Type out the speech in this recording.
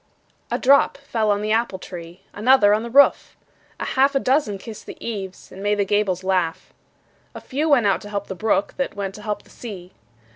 A drop fell on the apple tree, Another on the roof; A half a dozen kissed the eaves, And made the gables laugh. A few went out to help the brook, That went to help the sea.